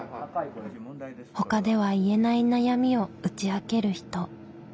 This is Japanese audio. ほかでは言えない悩みを打ち明ける人。